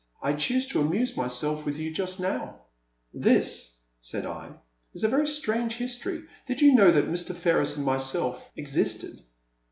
I choose to amuse myself with you just now. This, said I, is a very strange history; did you know that Mr. Ferris and myself— existed?